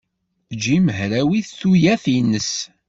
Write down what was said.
Jim hrawit tuyat-nnes.